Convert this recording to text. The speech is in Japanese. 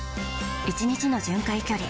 １日の巡回距離